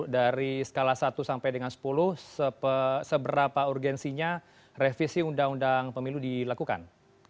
dari skala satu sampai dengan sepuluh seberapa urgensinya revisi undang undang pemilu dilakukan